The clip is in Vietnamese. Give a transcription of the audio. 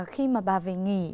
khi mà bà về nghỉ